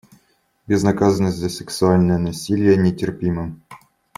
Безнаказанность за сексуальное насилие нетерпима.